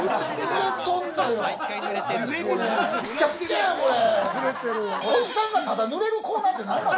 びちゃびちゃやん、これ。